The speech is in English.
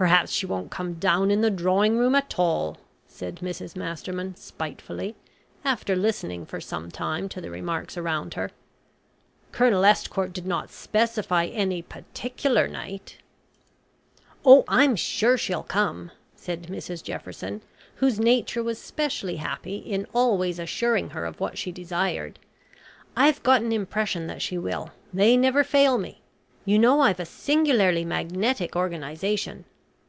"Perhaps she won't come down in the drawing room at all," said Mrs Masterman spitefully, after listening for some time to the remarks around her. "Colonel Estcourt did not specify any particular night." "Oh, I'm sure she'll come," said Mrs Jefferson, whose nature was specially happy in always assuring her of what she desired. "I've got an impression that she will they never fail me. You know I've a singularly magnetic organisation.